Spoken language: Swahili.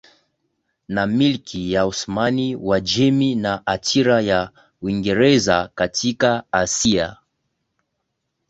na Milki ya Osmani Uajemi na athira ya Uingereza katika Asia